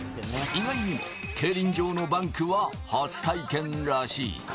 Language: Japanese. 意外にも競輪場のバンクは初体験らしい。